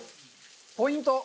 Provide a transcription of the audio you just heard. ポイント。